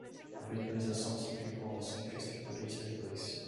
A virtualização simplificou nossa infraestrutura de servidores.